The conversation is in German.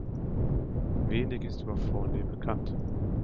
Wenig ist über Forney bekannt.